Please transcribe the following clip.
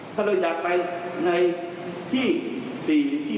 ถ้าเราอยากไปในที่๔ที่